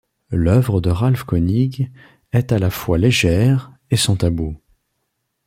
L'œuvre de Ralf König est à la fois légère et sans tabous.